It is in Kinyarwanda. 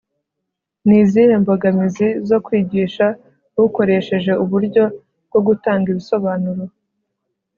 ni izihe mbogamizi zo kwigisha ukoresheje uburyo bwo gutanga ibisobanuro